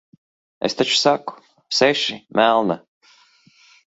Es taču saku - seši, melna.